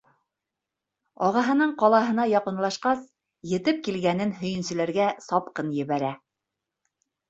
Ағаһының ҡалаһына яҡынлашҡас, етеп килгәнен һөйөнсөләргә сапҡын ебәрә.